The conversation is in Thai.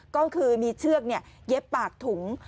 ก็คือมีเชือกเย็บปากถุง